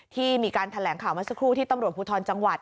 ที่มีการแถลงข่าวเมื่อสักครู่ที่ตำรวจภูทรจังหวัด